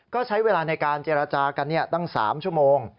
ก็ใช้เวลาในการเจรจากันตั้ง๓ชั่วโมง